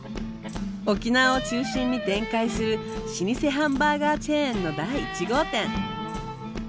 沖縄を中心に展開する老舗ハンバーガーチェーンの第１号店。